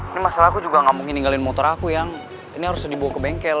ini masalah aku juga gak mungkin ninggalin motor aku yang ini harus dibawa ke bengkel